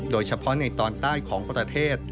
โดยเฉพาะในตอนใต้ของประเทศ